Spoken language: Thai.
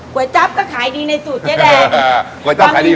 ก๋วยจั๊บก็ขายดีในสูตรเจ๊แดง